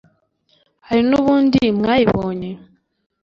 hari n’ubundi mwayibonye’